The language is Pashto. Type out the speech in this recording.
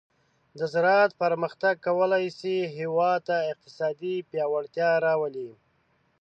د زراعت پرمختګ کولی شي هیواد ته اقتصادي پیاوړتیا راولي.